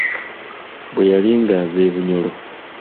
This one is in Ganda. Bwe yali ng’ava e Bunyoro.